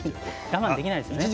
我慢できないですよね。